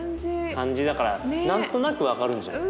漢字だから何となく分かるんじゃない？